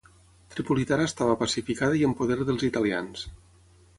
Tripolitana estava pacificada i en poder dels italians.